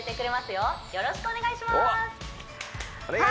よろしくお願いしますおっ！